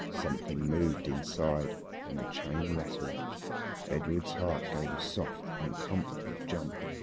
Something moved inside and a chain rattled. Edred's heart gave a soft, uncomfortable jump.